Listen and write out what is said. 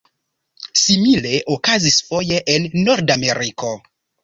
Simile okazis foje en Nordameriko.